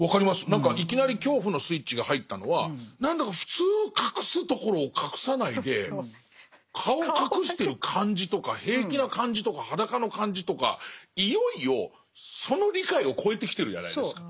何かいきなり恐怖のスイッチが入ったのはなんだか普通隠すところを隠さないで顔を隠してる感じとか平気な感じとか裸の感じとかいよいよその理解を超えてきてるじゃないですか。